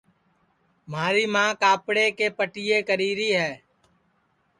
مھاری ماں کاپڑے کے پٹِئیے کری ری ہے